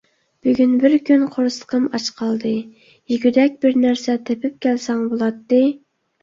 بۈگۈن بىر كۈن قورسىقىم ئاچ قالدى، يېگۈدەك بىرنەرسە تېپىپ كەلسەڭ بولاتتى.